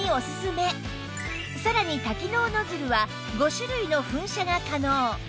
さらに多機能ノズルは５種類の噴射が可能